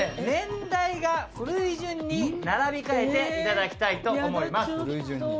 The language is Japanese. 年代が古い順に並び替えていただきたいと思います